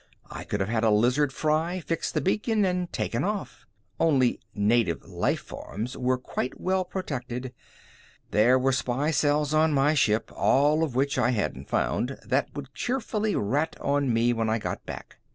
I could have had a lizard fry, fixed the beacon and taken off. Only "native life forms" were quite well protected. There were spy cells on my ship, all of which I hadn't found, that would cheerfully rat on me when I got back.